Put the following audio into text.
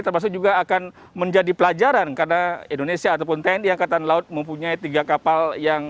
termasuk juga akan menjadi pelajaran karena indonesia ataupun tni angkatan laut mempunyai tiga kapal yang